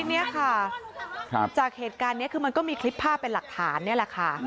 ทีนี้ค่ะจากเหตุการณ์นี้คือมันก็มีคลิปภาพเป็นหลักฐานนี่แหละค่ะ